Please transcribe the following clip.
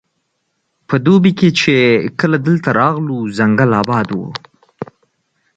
په دوبي کې چې کله دلته راغلو ځنګل اباد وو.